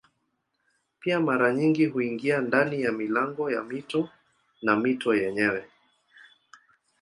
Pia mara nyingi huingia ndani ya milango ya mito na mito yenyewe.